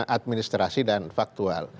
administrasi dan faktual